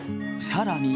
さらに。